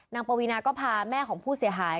ปวีนาก็พาแม่ของผู้เสียหาย